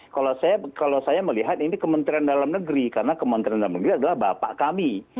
kalau saya melihat ini kementerian dalam negeri karena kementerian dalam negeri adalah bapak kami